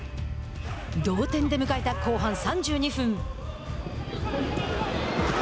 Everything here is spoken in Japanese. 同点で迎えた後半３２分。